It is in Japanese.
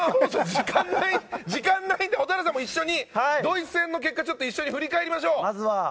時間ないので、蛍原さんも一緒にドイツ戦の結果振り返りましょう。